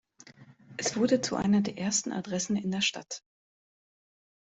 Es „wurde zu einer der ersten Adressen in der Stadt.